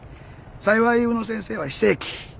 幸い宇野先生は非正規。